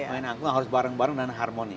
main angklung harus bareng bareng dan harmoni